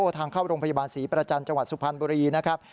ทางเข้าโรงพยาบาลศรีประจันทร์จังหวัดสุพรรณบุรีนะครับ